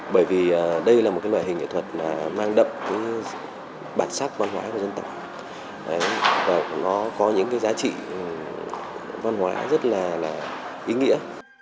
bởi vì đây là một loại hình nghệ thuật mang đậm bản sắc văn hóa của dân tộc và nó có những cái giá trị văn hóa rất là ý nghĩa